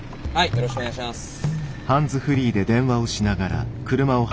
よろしくお願いします。